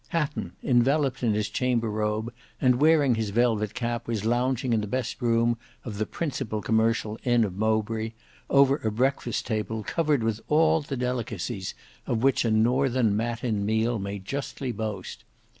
Hatton, enveloped in his chamber robe and wearing his velvet cap, was lounging in the best room of the principal commercial inn of Mowbray, over a breakfast table covered with all the delicacies of which a northern matin meal may justly boast.